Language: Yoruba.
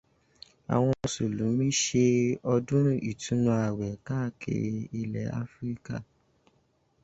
Àwọn mùsùlùmí ṣe ọdún ìtúnu ààwẹ̀ káàkiri ilẹ̀ Áfíríkà.